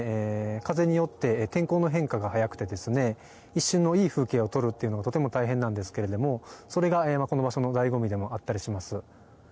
風によって天候の変化が早くてですね一瞬のいい風景を撮るのがとても大変なんですけどそれがこの場所のだいご味でもあったりします。